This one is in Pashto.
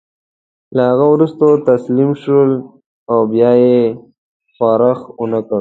له هغه وروسته تسلیم شول او بیا یې ښورښ ونه کړ.